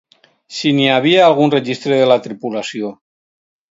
Si n'hi havia algun registre de la tripulació...